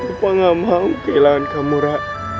apa gak mau kehilangan kamu rakyat